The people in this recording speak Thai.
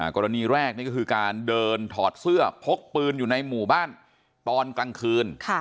กรณีแรกนี่ก็คือการเดินถอดเสื้อพกปืนอยู่ในหมู่บ้านตอนกลางคืน